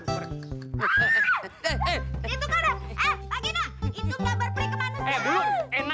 itu kan eh pak gino